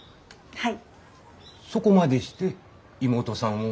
はい。